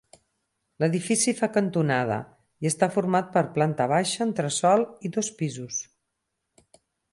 L'edifici fa cantonada i està format per planta baixa, entresòl i dos pisos.